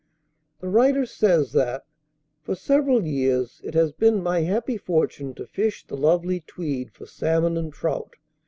The writer says that "for several years it has been my happy fortune to fish the lovely Tweed for salmon and trout.